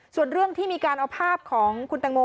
ส่วนเรื่องที่มีการเอาภาพของคุณแตงโม